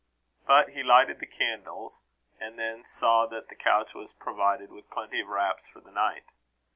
But he lighted the candles; and then saw that the couch was provided with plenty of wraps for the night.